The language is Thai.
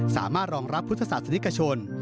สามารถรองรับพุทธศาสนิกชน